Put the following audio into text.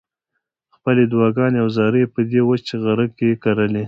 خپلې دعاګانې او زارۍ یې په دې وچ غره کې کرلې.